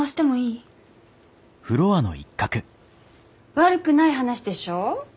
悪くない話でしょ？